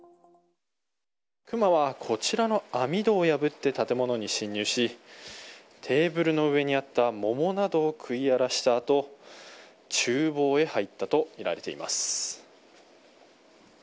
クマはこちらの網戸を破って建物に侵入しテーブルの上にあった桃などを食い荒らしたあと厨房に入ったとみられています。